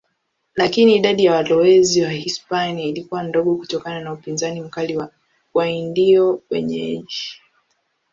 Lakini idadi ya walowezi Wahispania ilikuwa ndogo kutokana na upinzani mkali wa Waindio wenyeji.